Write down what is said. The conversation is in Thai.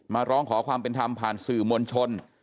ร้องขอความเป็นธรรมผ่านสื่อมวลชน